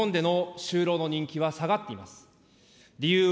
日本での就労の人気は下がっています。